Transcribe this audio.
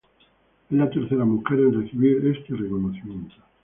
Es la tercera mujer en recibir este reconocimiento.